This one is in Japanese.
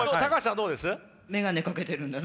どうです？